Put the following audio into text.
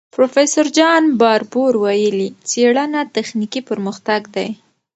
پروفیسور جان باربور ویلي، څېړنه تخنیکي پرمختګ دی.